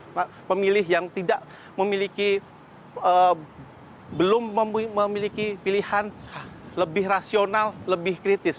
adalah pemilih yang belum memiliki pilihan lebih rasional lebih kritis